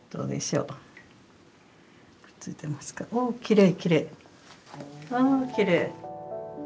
うわきれい。